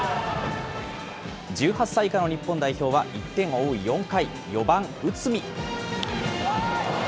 １８歳以下の日本代表は、１点を追う４回、４番内海。